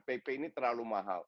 pp ini terlalu mahal